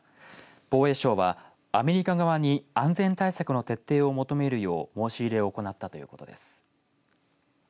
防衛省はアメリカ側に安全対策の徹底を求めるよう申し入れを行ったということです。